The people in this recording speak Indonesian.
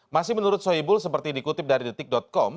masih menurut soebul seperti dikutip dari detik com